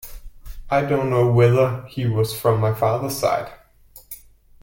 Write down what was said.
I don't know whether he was from my father's side.